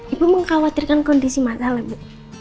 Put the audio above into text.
ibu mengkhawatirkan kondisi masalah bu